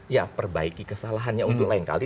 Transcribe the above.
ya perbaiki kesalahannya untuk lain kali